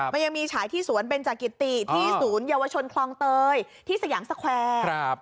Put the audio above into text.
มันยังมีฉายที่สวนเบนจากิติที่ศูนยวชนคลองเตยที่สยามสแควร์